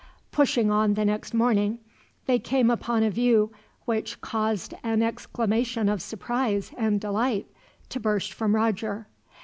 Pushing on the next morning, they came upon a view which caused an exclamation of surprise, and delight, to burst from Roger.